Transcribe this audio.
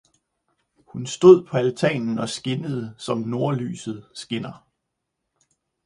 hun stod på altanen og skinnede som nordlyset skinner!